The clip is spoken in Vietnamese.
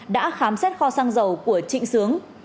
đã khám xét kho xăng dầu của trịnh sướng